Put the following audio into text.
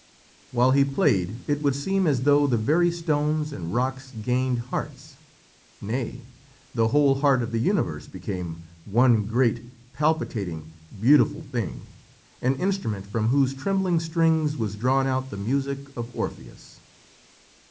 While he played it would seem as though the very stones and rocks gained hearts. Nay, the whole heart of the universe became one great, palpitating, beautiful thing, an instrument from whose trembling strings was drawn out the music of Orpheus.